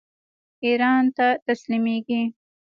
ایران ته تسلیمیږي.